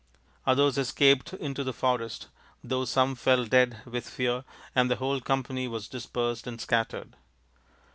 Others escaped into the forest, though some fell dead with fear, and the whole company was dispersed and scattered.